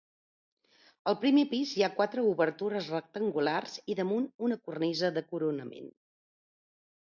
Al primer pis hi ha quatre obertures rectangulars i damunt una cornisa de coronament.